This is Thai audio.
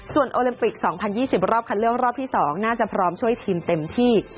ส่วนโอลิมปิก๒๐๒๐รอบคัดเลือกรอบที่๒น่าจะพร้อมช่วยทีมเต็มที่